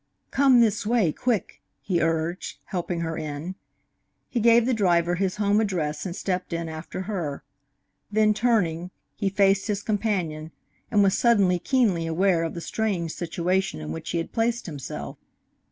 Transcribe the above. "Come this way, quick!" he urged, helping her in. He gave the driver his home address and stepped in after her. Then, turning, he faced his companion, and was suddenly keenly aware of the strange situation in which he had placed himself.